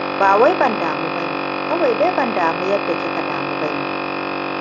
Ba wai ban damu bane, kawai dai ban damu yadda kika damu bane.